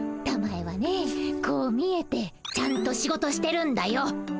たまえはねこう見えてちゃんと仕事してるんだよ。